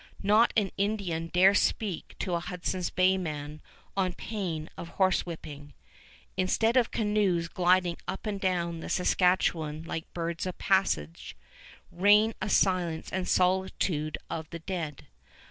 Not an Indian dare speak to a Hudson's Bay man on pain of horsewhipping. Instead of canoes gliding up and down the Saskatchewan like birds of passage, reign a silence and solitude as of the dead.